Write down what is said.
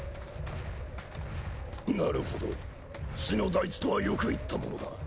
なるほど死の大地とはよく言ったものだ。